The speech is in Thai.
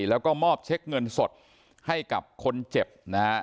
แล้วก็มอบเช็คเงินสดให้กับคนเจ็บนะฮะ